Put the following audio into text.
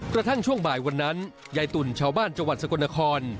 กระทั่งช่วงบ่ายวันนั้นยายตุ่นชาวบ้านจังหวัดสกลนคร